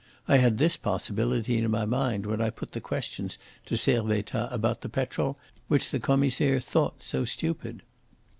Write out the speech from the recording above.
I had this possibility in my mind when I put the questions to Servettaz about the petrol which the Commissaire thought so stupid.